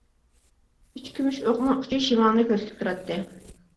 ئۈچ كۈمۈش ئوقنىڭ ئۇچى شىمالنى كۆرسىتىپ تۇراتتى.